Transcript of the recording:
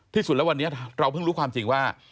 ที่สุดแล้ววันนี้เราเพิ่งรู้ความจริงว่า